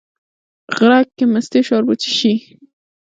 غرک کې مستې شاربو، چې شي